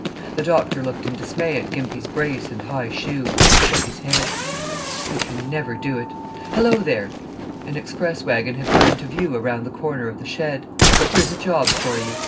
The doctor looked in dismay at Gimpy's brace and high shoe, and shook his head. "He never can do it. Hello, there!" An express wagon had come into view around the corner of the shed. "Here's a job for you."